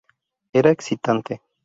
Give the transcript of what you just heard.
Era excitante.